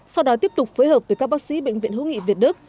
sau đó tiếp tục phối hợp với các bác sĩ bệnh viện hữu nghị việt đức